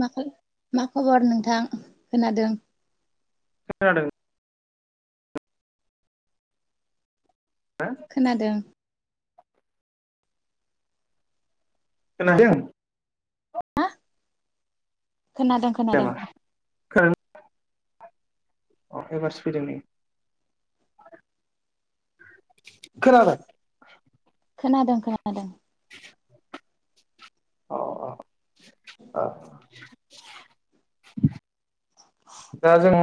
माखो मा खबर नोंथां खोनादों खोनादों ना खोनादों खोनादों खोनादों खोनादों नामा खोनादों अ एबारसो फैदों नै खोनाबाय खोनादों खोनादों अ अ अ दा जों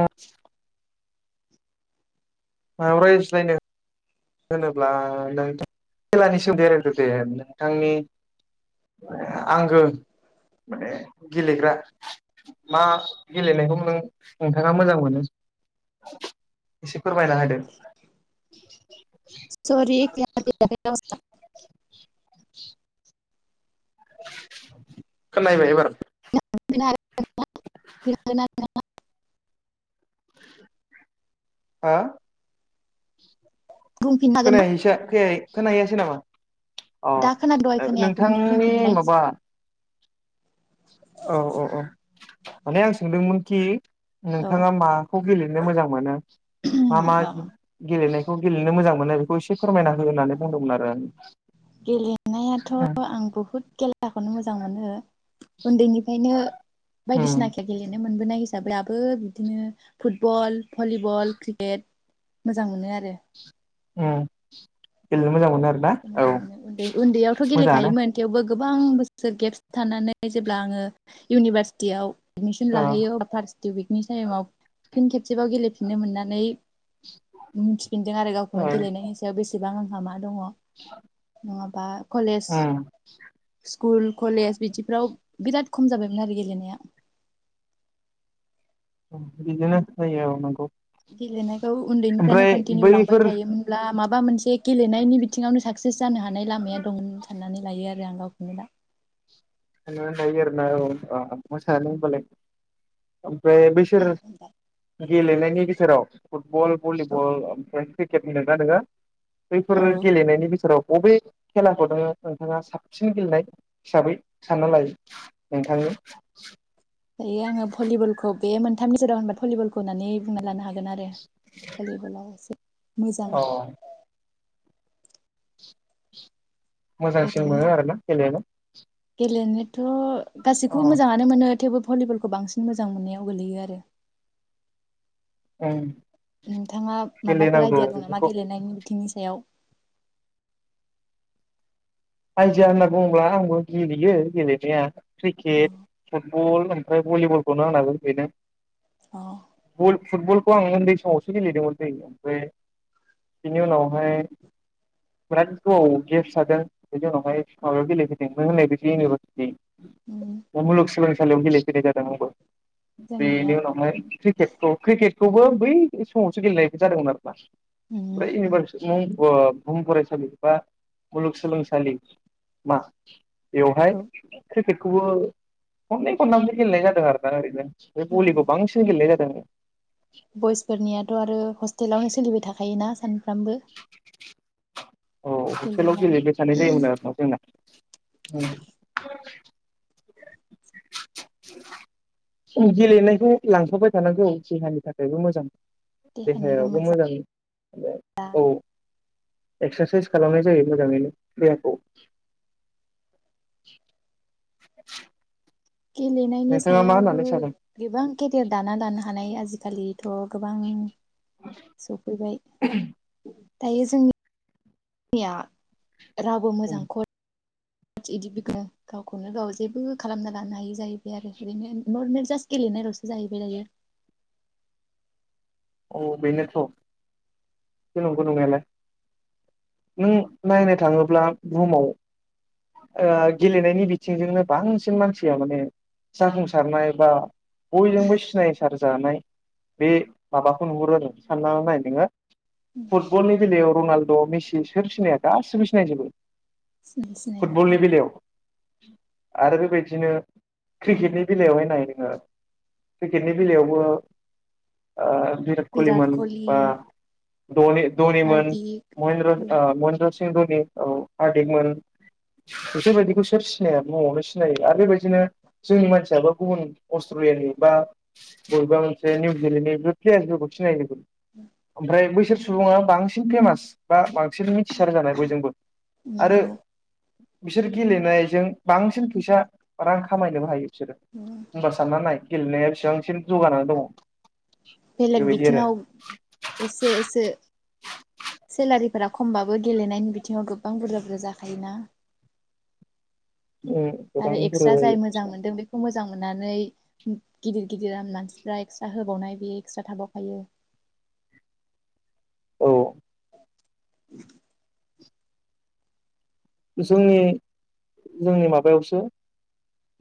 मा रायज्लायनो होनोब्ला नोंथां खेलानि सोमोन्दै रायलायदो दे नोंथांनि आंगो माने गेलेग्रा मा गेलेनायखौ नों नोंथाङा मोजां मोनो एसे फोरमायना होदो [inaudible] सरि [unintelligible] [unintelligible] [inaudible] खोनाबाय एबार [unintelligible] हा हागोन ना खोनायाखै [unintelligible] खोनाहैयासै नामा दा खोनादों दहाय अ खोनायाखैमोन नोंथांनि बुंफिनलाय माबा औ औ औ माने आं सोंदोंमोनखि औ नोंथाङा माखौ गेलेनो मोजां मोनो मा मा औ गेलेनायखौ खौ गेलेनो मोजा बेखौ ए फोरमायना हो होननानै बुंदोंमोन आरो आं गेलेनायाथ' आं बहुद खेलाखौनो मोजां मोनो उन्दैनिफ्रायनो उम बायदिसिना खेला गेलेनो मोनो मोनबोनाय हिसाबै दाबो बिदिनो फुटबल भलिबल क्रिकेट मोजां मोनो आरो उम गेलेनो मोजां मोनो आरो मोजां उन्दै उन्दैयावथ' मोजाङानो गेलेखायोमोन थेवबो गोबां बोसोर गेब्स थानानै जेब्ला आङो इउनिभारसिटियाव एडमिसन औ लाहैयो फार्स्ट उइकनि टाइमाव। फिन खेबसेबाव गेलेफिननो मोननानै मिथिफिनदों आरो औ गावखौनो गेलेनाय सायाव बेसे बेसेबां आंहा मा दङ। [inaudible] नङाबा कलेज स्कुल कलेज बिदिफ्राव बिराद खम जाबायमोन आरो गेलेनाया। बिदिनो जायो औ नंगौ। गेलेनायखौ उन्दैनिफ्रायनो ओमफ्राय कन्टिनिउ लांबाय बैफोर थायोमोनब्ला माब मा मोनसे गेलेनायनि बिथिङावनो साक्सेस जानो हानाय लामाया दं साननानै लायो आरो। [unintelligible] हायो आरोना औ मोसानो होनबालाय। ओ बैसोर गेलेनायनि गेजेराव फुटबल औ भलिबल ओमफ्राय [unintelligible] गेलेग्रा नोङो। बैफोर औ गेलेनायनि बिसोराव। अबे खेलाखौ नोङो नोंथाङा साबसिन गेलेनाय हिसाबै सानना लायो नोंथांनि दायो आङो भलिबलखौ बे मोनथामनि जेराव होनबा भलिबलखौ होननानै बुंना लानो हागोन। गोन आरो भलिबलाव एसे मोजां। अ मोजांसिन ओरैनो मोनो आरोना गेलेनो। गेलेनोथ' औ गासिखौबो मोजाङानो मोनो थेवबो भलिबलखौ बांसिन मोजां मोननायाव गोलैयो आरो। ओम। नोंथाङा माबाफोर आइदिया दं नामा गेलेनायनि बिथिंनि सायाव? आइदिया होनना बुङोब्ला आंबो गेलेयो गेलेनाया। औ क्रिकेट फोर फुटबल ओमफ्राय भलिबलखौनो आंनाबो बेनो। औ। फुटबलखौ आं औन्दै समावसो गेलेदोंमोनलै ओमफ्राय बिनि उनावहाय बिराद गोबाव गेब्स थादों। बेनि उनावहाय माबायाव गेलेदों। जनो होननाय बे इउनिभारसिटि उम मुलुगसोलोंसालियाव गेलेफोनाय जादों आबो जोंनिया बेनि उनावहाय क्रिकेटखौ क्रिकेट थेवबो बै समावसो गेलेनाय जादोंमोन आरोना बै उम इउनिभारसिटि आवसो मुं बुहुम फरायसालि बा मुलुगोलोंसालि खालि मा बेवहाय औ क्रिकेट [unintelligible] खननै खनथाम सो गेलेनाय जादों आरो ओरैहाय बे औ बलिखौ औ बांसिन गेलेनाय जादों दङ बयसफोरनियाथ' आरो हस्टेलावनो सोलिबाय थाख खायोना सान फ्रामबो औ हस्टेलाव गेलेबाय थानाय जायोमोन आरो ना जोंना औ [inaudible] गेलेनायखौ लांफाबाय थानांगौ देहानि थाखायबो मोजां देहायावबो मोजां ओ औ एक्सारसायस खालामनाय जायो मोजाङैनो देहाखौ [inaudible] गेलेनायनि नोंथाङा मा सायावबो होननानै सानो गोबां केरियार दाना लानो हानाय आजिखालि थ' गोबां सफैबाय दायो जोंनि या रावबो मोजां खट सट इदि गैखाया गावखौनो गाव जेबो खालामना लानो हायि जाहैबाय आरो ओरैनो नर्मेल जास्ट गेलेनायलावसो जाहैबाय दायो। औ बेनोथ' बेथ' नंगौ नंनायालाय। नों नायनो थाङोब्ला बुहुमाव ओ गेलेनायनि बिथिंजोंनो बांसिन मानसिया माने जाफुंसारनाय बा बयजोंबो सिनायसारजानाय बे माबाखौ नुहुरो आरो साननानै नाय नोङो फुटबलनि बेलायाव रनाल्द', मेसि सोर सिनाया गासिबो सिनायजोबो। सिनाय सिनायनो फुटबलनि बेलायाव आरो बेबायदिनो क्रिकेटनि बेलायावहाय नाय नोङो क्रिकेटनि बेलायावबो ओ बिराट कहलिमोन बा धनि-धनिमोन, हार्दिक महेनद्र ओ महेनद्र धनि औ हार्दिकमोन बिसोर बायदिखौ सोर सिनाया बुहुमावनो सिनायो। आरो बेबायदिनो जोंनि मानसियाबो गुबुन अट्रलियानि बा बबेबा मोनसे निउजिलेण्डनि प्लेयार फोरखौ सिनायो जो‌ङो। ओमफ्राय बैसोर सुबुङा बांसिन फेमास बा बां सिन मिथिसार जानाय बयजोंबो आरो नंगौ बिसोर गेलेनायजों बांसिन फैसा रां खामायनोबो हायो। बिसोरो होनबार साननानै नाय गेलेनाया बेसेबांसिम जौगानानै दङ? बेलेग बेबायदि आरो बिथिङाव एसे एसे सेलारिफोरा खमबाबो गेलेनायनि बिथिङाव गोबां बुरजा-बुरजा जाखायोना उम गोबां आरो बुरजा एक्सट्रा जायो जाय मोजां फैसा। मोनदों बेखौ मोजां मोननानै गिदिर-गिदिर मानसिफ्रा एक्सट्रा होबावनाय बेयो एक्सट्रा थाबावखायो। औ [inaudible] जोंनि-जोंनि माबायावसो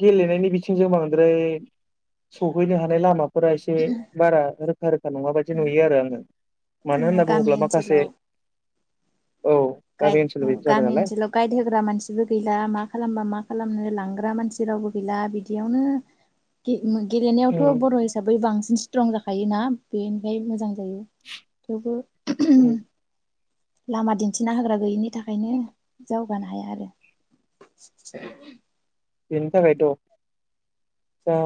गेलेनायनि बिथिंजों बांद्राय सहैनो हानाय लामा फोरा एसे बारा रोखा-रोखा नङा बायदि नुयो आरो आङो। मानो जोंना होनना गामि बुङोब्ला ओनसोलाव माखासे औ गाइ गामि ओनसोलनि बादि जाबाय गामि नालाय ओनसोलाव गाइड होग्रा मानसिबो गैला मा खालामबा मा मा खालामनो लांग्रा मानसि रावबो गैला बिदियावनो गेलेनायावथ' उम बर' हिसाबै बांसिन स्ट्रं जाखायोना बेनिफ्राय मोजां जायो थेवबो उम लामा दिन दिनथिना होग्रा गैयिनि थाखायनो जौगानो हाया आरो बेनि थाखायथ' दा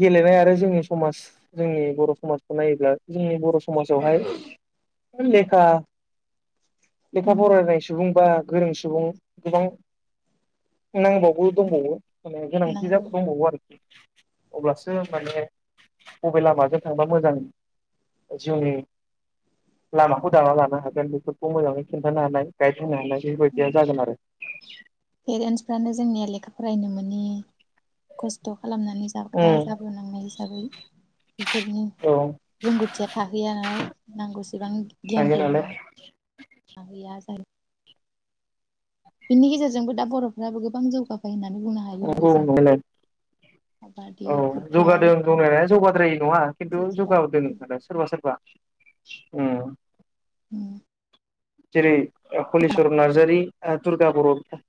गेलेनाय आरो जोंनि समाज जोंनि बर' समाजखौ नायोब्ला जोंनि बर' सम समाजावहाय लेखा लेखा फरायनाय सुबुं बा गोरों सुबुं गोबां नांबावगौ दंबावो माने गोनांथि होनांगौ दंबावो आरोखि अब्लासो माने बबे लामाजों थांबा मोजां जिउनि लामाखौ दाना लानो हागोन बेफोरखौ मोजाङै खिन्थानो हानाय गाइड होनो हानाय बेफोरबायदिया जागोन आरो पेरेन्टसफ्रानो जोंनिया लेखा फरायनो मोननि खस्थ' खालामनानै जाग्रा उम जाबोनांनाय हिसाबै इफोरनि औ रोंगौथिया थाहैया नालाय नांगौसेबां हायो गियानखौ नालाय होनो हाहैया जायो बिनि गेजेरजोंबो दा बर'फ बा गोबां जौगाबाय होनना नंगौ नंनायालाय काबादि औ फुटबल जौगादों जनाया जौगाद्राय नङा खिन्थु क्रिकेटाव जौगादों होनना सोरबा सोरबा उम उम जेरै हलिचवरन नार्जारि ओ दुर्गा बर' बिथां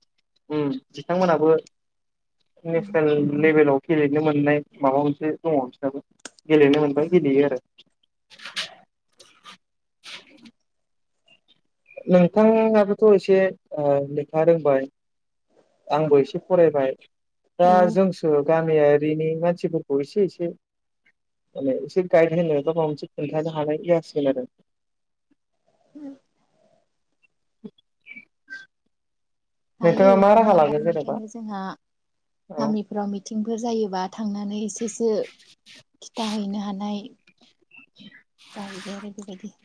उम बिथांमोनाबो नेसनेल लेभेलाव गेलेनो मोननाय माबा मोनसे दङ' नोंसनाबो गेलेनो मोनबाय गेलेयो आरो नोंथाङाबोथ' एसे ओ लेखा रोंबाय आंबो एसे फरायबाय दा औ जोंसो गान गामियारिनि मानसिफोरखौ एसे एसे माने एसे गाइड होनो बा माबा मोनसे खोन्थानो हानाय जासिगोन आरो उम [inaudible] नोंथाङा हायो मा राहा हानाया दा लागोन जेनेबा बेनिखायनो जोंहा औ गामिफ्राव मिथि जायोबा थांनानै एसेसो खिथाहैनो हानाय। जाहैबाय आरो बेबायदि।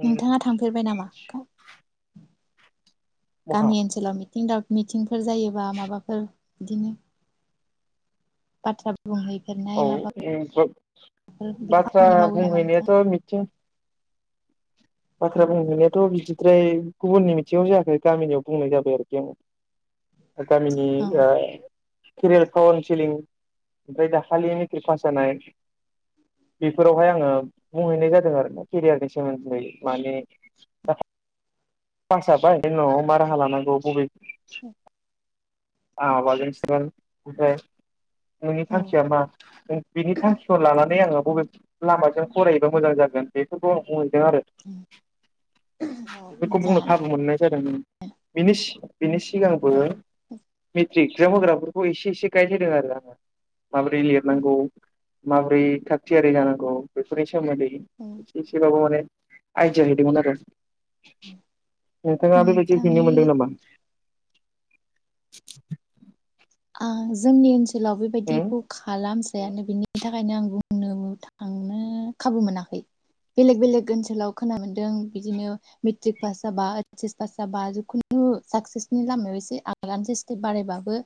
उम नोंथाङा थांफेरबाय नामा? बहा गामि ओनसोलाव इनदाब मिटिंफोर जायोबा माबाफोर बिदिनो बाथ्रा औ बुंहैफेरनाय माबाफोर उम। बिदि बाथ्रा खामानि मावो नामा बुंहैनायाथ' नोंथाङा मिथिं बाथ्रा बुंहैनायाथ' बिदिद्राय गुबुननि मिथिङाव जायाखै गामिनियाव बुंनाय जाबाय आरो गें। गामिनि ओ केरेल काउन्सिलिं। ओमफ्राय दाखालि मेट्रिक पास जानाय बेफोरावहाय आङो बुंहैनाय जादों आरो ना केरियारनि सोमोन्दै। माने दाथा पास जाबाय बेनि उनाव मा राहा लानांगौ बबे [inaudible] आङा माबाजोंसो थांगोन ओमफाय नोंनि औ थांखिया मा बिनि थांखिखौ लानानै आङो बबे लामाजों फरायोबा मोजां जागोन बेफोरखौ आं बय दों आरो औ बेफोरखौ बुंनो मोजाङानो खाबु मोननाय जादों उम बेनि सि बिनिसि सिगांबो मेट्रिक एगजाम होग्राफोरखौ एसे एसे गाइड होदों आरो आङो। माबोरै लिरनांगौ माबोरै थागथियारि जानांगौ बेफोरनि सो सोमोन्दै औ एसे एसेबाबो माने आयडिया हैदोंमोन आरो। नोंथाङा बेबायदि हैनो नोंथांनि मोनदों नामा? आ जोंनि ओनसोल लाव उम बेबायदिखौ खालामस जायानो बिनि थाखायनो आं बुंनो थांनो खाबु मोनाखै बेलेग बेलेग ओनसोलाव खोना मोनदों बिदिनो मेट्रिक पास जाबा ऐस एस पास जाबा जिखुनु साक्सेसनि लामायाव एसे आगानसे स्टेप बारायबाबो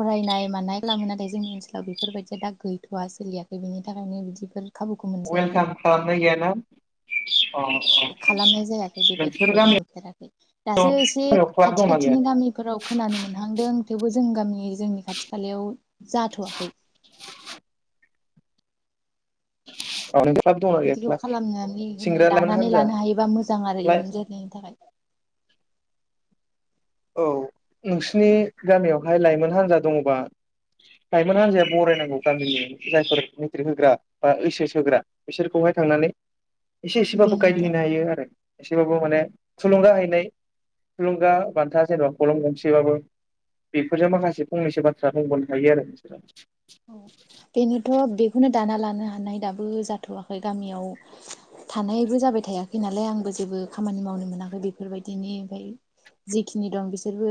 फरायनाय मानाय लामोनाखै नाथाय जोंनि ओनसोलाव बेफोरबायदिया दा गैथ'वा सोलियाखै बिनि थाखायनो बिदिफोर खाबुखौ मोनजायाखै वेलकाम खालामनाय गैयाना? अ खालामनाय जायाखै नोंसोर बेबायदिखौ गामियाव नुफेराखै दासो एसे गामियाव क्लाब खाथि दंना गैया खाथिनि गामिफोराव खोनानो मोनहांदों थेवबो जों जों गामि जोंनि खाथि खालायाव जाथ'वाखै। [unintelligible] बिदिखौ क्लाब खालामनानै होनो सेंग्रा लाइमोन दानानै हान्जा लानो हायोबा मोजां आरो लाइ इयुन जोलैनि थाखाय। औ नोंसिनि गामियाव बहाय लाइमोन हान्जा दङबा लाइमोन हान्जाया बरायनांगौ गामिनि जायफोर मेट्रिक होग्रा बा ऐस एस होग्रा बिसोरखौहाय थांनानै। एसे एसेबाबो गायद बेनोथ' हैैनो हायो आरो। एसेबाबो माने थुलुंगा हैनाय थुलुंगा बान्था जेनेबा खल'म गंसेबाबो बेफोरजों माखासे फंनैसो बाथ्रा बुंबोनो हायो आरो नोंसोरा। औ बेनोथ' बे बेखौनो दाना लानो हानाय दाबो जाथ'वाखै गामियाव थानायबो जाबाय थायाखै नालाय आंबो जेबो खामानि मावनो मोनाखै बेफोरबायदिनि ओमफाय जिखिनि दं बिसोरबो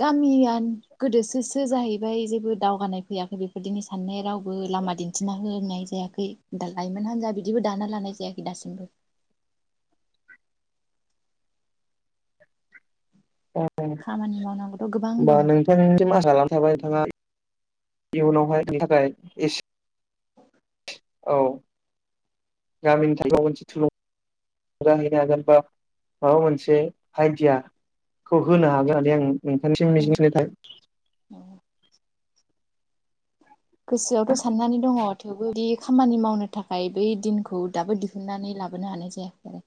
गामिया गोदोसोसो जाहैबाय जेबो दावगानाय फैयाखै बेफोरदिनि साननाय रावबो लामा दिन्थिना होनाय जायाखै दा लाइमोन हान्जा बिदिबो दाना लानाय जायाखै दासिमबो। [unintelligible] खामानि मावनांगौथ' गोबां दं इयुनावहाय नि थाखाय एस औ गामिनि थाखाय [unintelligible] हागोन बा माबा मोनसे आइडिया खौ होनो हागोन होननानै आं औ नोंथांनिसिम [unintelligible] थाबाय। औ गोसोआवथ' साननानै दङ थेवबो दि खामानि मावनो थाखाय बै दिनखौ दाबो दिहुनन्नानै लाबोनो हानाय जायाखै आरो।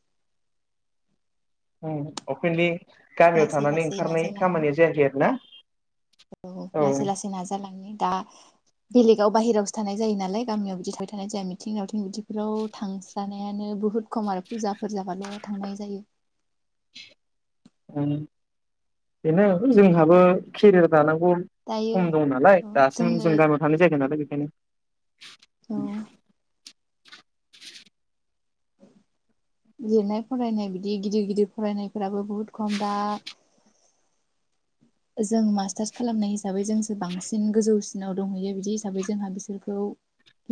उम अपेनलि गामियाव लासै थानानै लासै ओंखारनाय नाजालांनो खामानिया जायाखै आरोना? औ लासै लासै नाजालांनि। दा बेलेगाव बाहेरायावसो थानाय जायो नालाय गामियाव बिदि थाबाय थानाय जाया मिथिं दावथिं बिदि रौ थांस्रानो नायानो बुहुत खम आरो फुजाफोर जाबाल' थांनाय जायो। [unintelligible] बेनो जोंहाबो खेरियार दानां [unintelligible] दायो खम दं नालाय दासिम जोंनो जों गामियाव थानाय जायाखै नालाय बेनो। औ लिरनाय फरायनाय बिदि गिदिर गिदिर फरायनायफोराबो बहुत खम दा जों मास्टार्स खालामनाय हिसाबै जोंसो बांसिन गोजौसिनाव दंहैयो बिदि हिसाबै जोंहा बिसोरखौ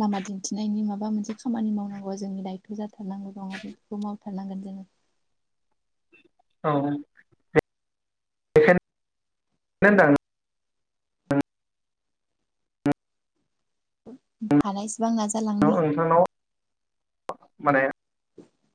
लामा दिन्थिनायनि माबा मोनसे खामानि मावनांगौआ जोंनि दायथ' जाथारनांगौ दं आरो बेखौ मावथारनांगोन जोङो। औ [unintelligible] हानायसेबां नाजा औ नोंसानाव माने [unintelligible]